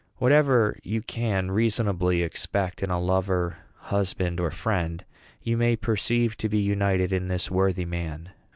Whatever you can reasonably expect in a lover, husband, or friend, you may perceive to be united in this worthy man.